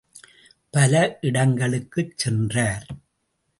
பல இடங்களுக்குச் சென்றார்.